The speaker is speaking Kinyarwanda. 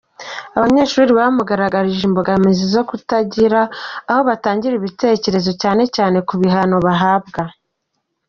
Abanyeshuli bamugaragarije imbogamizi zo kutagira aho batangira ibitekerezo cyane ku bihano bahabwa.